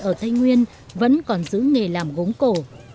ở tây nguyên vẫn còn giữ nghề làm gốm cổ